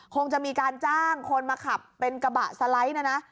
คงจะมีการจ้างคนมาขับเป็นกระบะสไลด์นะนะ